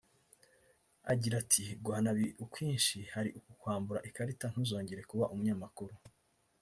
Agira ati “Guhana biri ukwinshi hari ukukwambura ikarita ntuzongere kuba umunyamakuru